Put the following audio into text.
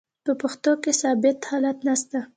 په پښتو کښي ثابت حالت نسته.